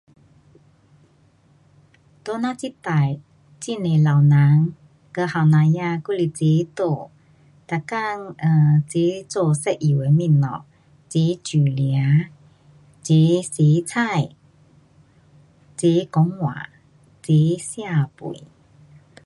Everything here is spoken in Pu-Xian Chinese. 在我们这区有很多老人和年轻人还一起住，每天一起做同样的东西，一起煮菜，一起洗菜，一起讲话，一起吃饭